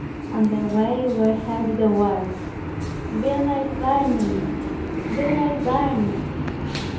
On the way were heard the words: "Vilna is burning, Vilna is burned!